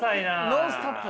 ノンストップ。